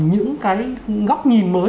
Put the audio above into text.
những cái góc nhìn mới